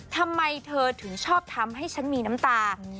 ทำไมเธอถึงชอบทำให้ฉันมีน้ำตา